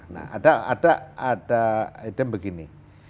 nah ada item begini